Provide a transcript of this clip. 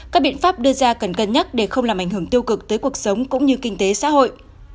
các biện pháp đưa ra cần cân nhắc để không làm ảnh hưởng tiêu cực tới cuộc sống cũng như kinh tế xã hội